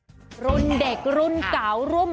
สุดยอดเวรี่กู้